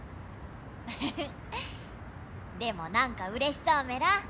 フフフッでもなんかうれしそうメラ。